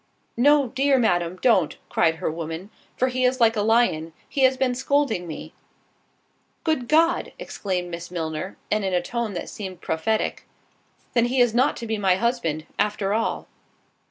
"No, dear Madam, don't," cried her woman, "for he is like a lion—he has been scolding me." "Good God!" (exclaimed Miss Milner, and in a tone that seemed prophetic) "Then he is not to be my husband, after all."